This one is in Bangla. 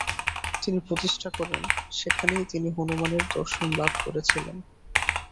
তিনি প্রতিষ্ঠা করেন, সেখানেই তিনি হনুমানের দর্শন লাভ করেছিলেন।